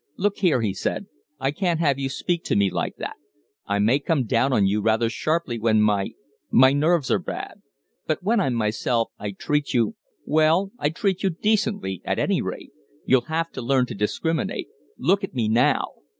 "Look here," he said. "I can't have you speak to me like that. I may come down on you rather sharply when my my nerves are bad; but when I'm myself I treat you well, I treat you decently, at any rate. You'll have to learn to discriminate. Look at me now!"